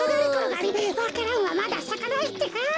わか蘭はまださかないってか？